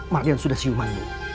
merdian sudah siuman